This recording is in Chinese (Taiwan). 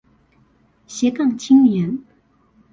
斜槓青年